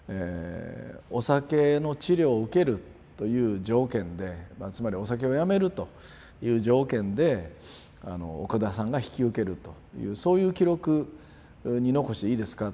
お酒の治療を受けるという条件でつまりお酒をやめるという条件で奥田さんが引き受けるというそういう記録残していいですか？